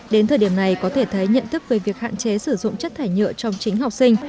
đến thời điểm này có thể thấy nhận thức về việc hạn chế sử dụng chất thải nhựa trong chính học sinh